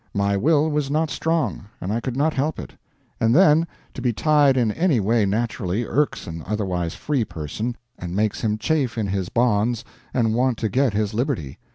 My will was not strong, and I could not help it. And then, to be tied in any way naturally irks an otherwise free person and makes him chafe in his bonds and want to get his liberty.